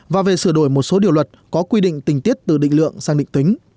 và về sửa đổi một số điều luật có quy định tình tiết từ định lượng sang định tính